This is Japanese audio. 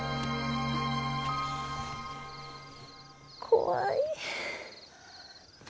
怖い。